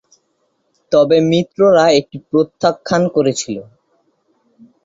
তবে মিত্ররা এটি প্রত্যাখ্যান করেছিল।